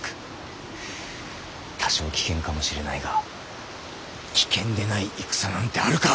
多少危険かもしれないが危険でない戦なんてあるか。